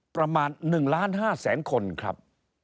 ประมาณ๑๕๐๐๐๐๐คนครับ